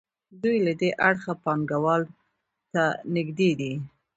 دوی له دې اړخه پانګوال ته نږدې دي.